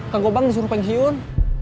kang ngobang disuruh pensiun